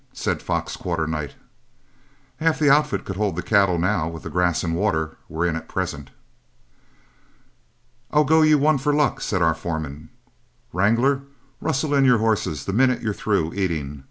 said Fox Quarternight. "Half the outfit could hold the cattle now with the grass and water we're in at present." "I'll go you one for luck," said our foreman. "Wrangler, rustle in your horses the minute you're through eating.